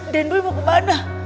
den boy mau kemana